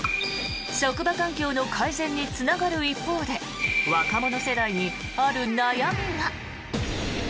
職場環境の改善につながる一方で若者世代に、ある悩みが。